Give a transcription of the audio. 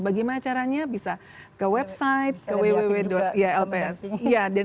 bagaimana caranya bisa ke website ke www lpsk com